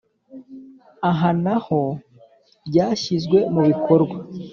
Aha na ho ryashyizwe mu bikorwa